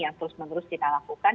yang terus menerus kita lakukan